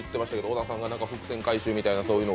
小田さんが、伏線回収みたいな。